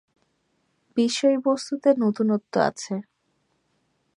বিষয়বস্তুতে নতুনত্ব আছে।